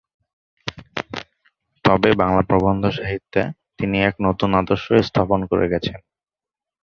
তবে বাংলা প্রবন্ধ সাহিত্যে তিনি এক নতুন আদর্শ স্থাপন করে গেছেন।